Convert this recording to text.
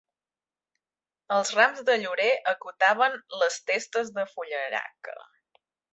Els rams de llorer acotaven les testes de fullaraca